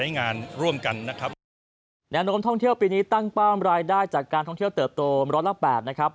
แนะนมท่องเที่ยวปีนี้ตั้งป้ามรายได้จากการท่องเที่ยวเติบโต๑๐๐ละ๘นะครับ